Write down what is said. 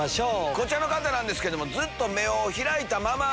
こちらの方なんですけども。